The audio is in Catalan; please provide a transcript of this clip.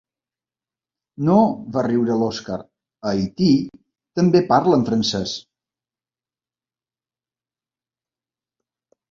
No! —va riure l'Oskar—A Haití també parlen francès.